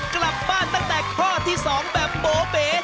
กลับบ้านตั้งแต่ข้อที่๒แบบโบเบ๋